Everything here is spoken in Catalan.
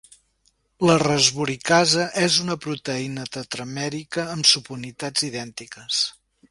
La rasburicasa és una proteïna tetramèrica amb subunitats idèntiques.